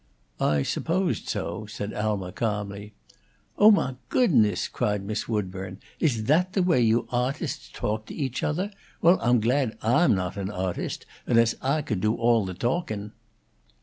"I supposed so," said Alma, calmly. "Oh, mah goodness!" cried Miss Woodburn. "Is that the way you awtusts talk to each othah? Well, Ah'm glad Ah'm not an awtust unless I could do all the talking."